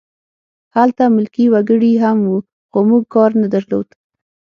هلته ملکي وګړي هم وو خو موږ کار نه درلود